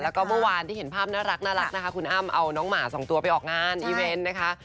แล้วก็เมื่อวานที่เห็นภาพน่ารักนะคะคุณอ้ำเอาน้องหมาสองตัวไปออกงานอีเวนต์นะคะ